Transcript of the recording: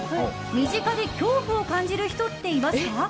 身近で恐怖を感じる人っていますか？